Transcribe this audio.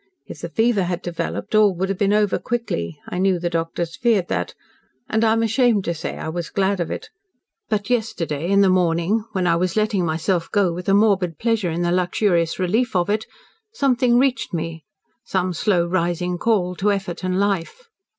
If the fever had developed, all would have been over quickly. I knew the doctors feared that, and I am ashamed to say I was glad of it. But, yesterday, in the morning, when I was letting myself go with a morbid pleasure in the luxurious relief of it something reached me some slow rising call to effort and life."